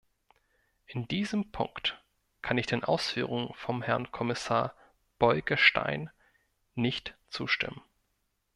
In diesem Punkt kann ich den Ausführungen von Herrn Kommissar Bolkestein nicht zustimmen.